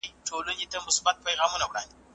ژوند د خدای ستر نعمت دی.